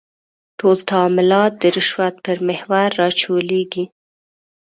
ټول تعاملات د رشوت پر محور راچولېږي.